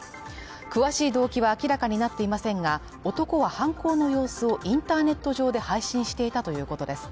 詳しい動機は明らかになっていませんが、男は犯行の様子をインターネット上で配信していたということです。